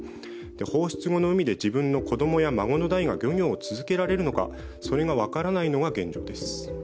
放出後の海で自分の子供や孫の代が漁業を続けられるのかそれが分からないのが現状です。